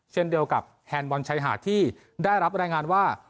เช่นเดียวกับแฮนด์บอลชายหาดที่ได้รับรายงานว่า